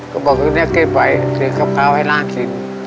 ก็บอกให้เจ้าเล็กเก็บไว้เป็นครับคราวให้น่ากิน